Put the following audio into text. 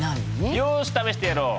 よし試してやろう。